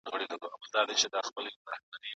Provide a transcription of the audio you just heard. باغوانان هم په کلیوالي سیمو کي اوسیږي.